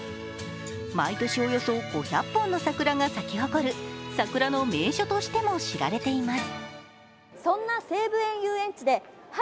毎年およそ５００本の桜が咲き誇る桜の名所としても知られています。